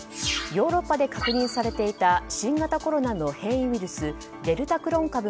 ヨーロッパで確認されていた新型コロナの変異ウイルスデルタクロン